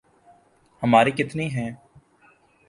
ہمارے کتنے ہیں۔